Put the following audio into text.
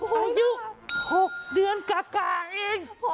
โอ๊ยอยู่๖เดือนกาก่างอีก